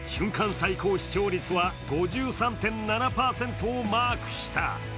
最高視聴率は５３．７％をマークした。